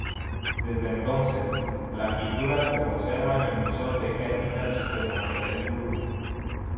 Desde entonces, la pintura se conserva en el Museo del Hermitage de San Petersburgo.